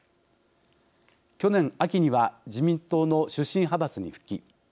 去年秋には自民党の出身派閥に復帰。